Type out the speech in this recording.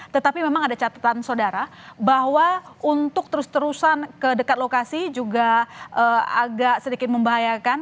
tetapi memang ada catatan saudara bahwa untuk terus terusan ke dekat lokasi juga agak sedikit membahayakan